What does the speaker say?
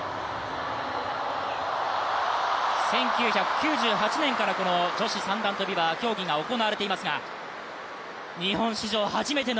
１９９８年からこの女子三段跳びは競技が行われていますが日本史上初めての